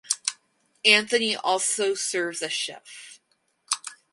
Anthony also serves as chef.